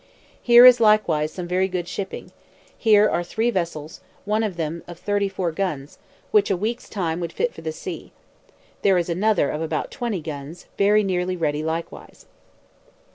Here is likewise some very good shipping; here are three vessels, one of them of thirty four guns, which a week's time would fit for sea; there is another of about twenty guns, very nearly ready likewise."